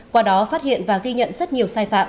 qua đó phát hiện và ghi nhận rất nhiều sai phạm